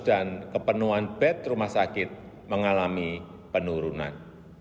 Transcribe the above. dan kepenuhan bed rumah sakit mengalami penurunan